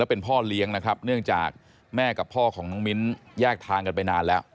เป็นพ่อเลี้ยงนะครับเนื่องจากแม่กับพ่อของน้องมิ้นแยกทางกันไปนานแล้ว